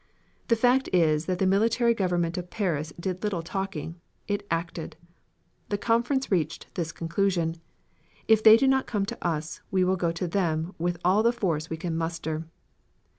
The fact is that the military government of Paris did little talking it acted. The conference reached this conclusion: 'If they do not come to us, we will go to them with all the force we can muster.'